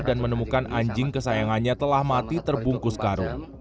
dan menemukan anjing kesayangannya telah mati terbungkus karung